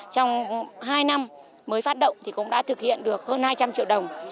trong hai năm mới phát động thì cũng đã thực hiện được hơn hai trăm linh triệu đồng